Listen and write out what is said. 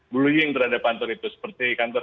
bullying terhadap kantor itu seperti kantor